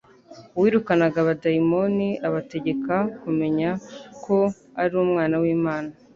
uwirukanaga abadaimoni abategeka kumenya ko ari Umwana w'Imana,